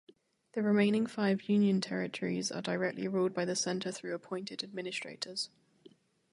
The remaining five union territories are directly ruled by the centre through appointed administrators.